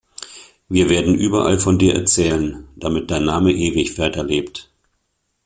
Wir werden überall von dir erzähl’n, damit dein Name ewig weiterlebt“.